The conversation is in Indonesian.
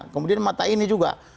kemudian mata ini juga